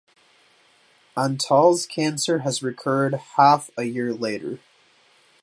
Antall's cancer has recurred half a year later.